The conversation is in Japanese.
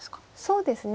そうですね。